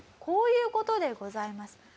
こういう事でございます。